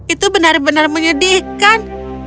itu benar benar menyedihkan